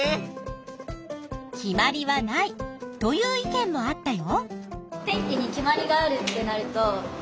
決まりはないという意見もあったよ。